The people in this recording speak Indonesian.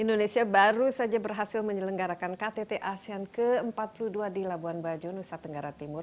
indonesia baru saja berhasil menyelenggarakan ktt asean ke empat puluh dua di labuan bajo nusa tenggara timur